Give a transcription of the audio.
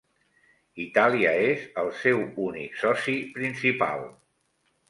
Itàlia és el seu únic soci principal.